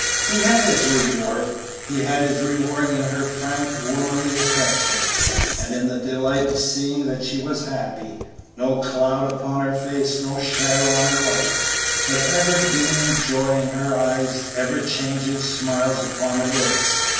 He had his reward. He had his reward in her frank, womanly affection, and in the delight of seeing that she was happy; no cloud upon her face, no shadow on her life, but ever beaming joy in her eyes, ever changing smiles upon her lips.